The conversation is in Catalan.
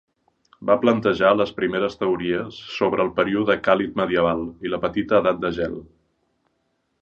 Va plantejar les primeres teories sobre el període càlid medieval i la petita edat de gel.